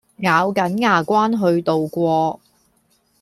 咬緊牙關去渡過